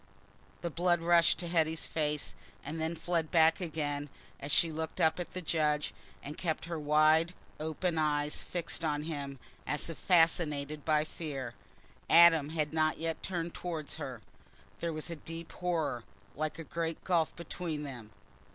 The blood rushed to Hetty's face, and then fled back again as she looked up at the judge and kept her wide open eyes fixed on him, as if fascinated by fear. Adam had not yet turned towards her, there was a deep horror, like a great gulf, between them.